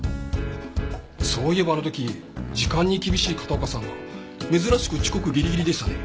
そういえばあの時時間に厳しい片岡さんが珍しく遅刻ギリギリでしたね。